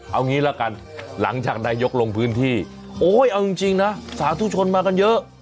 เอางี้ละกันหลังจากนายกลงพื้นที่โอ้ยเอาจริงนะสาธุชนมากันเยอะ